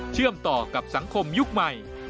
เชื่อมต่อกับสังคมยุคใหม่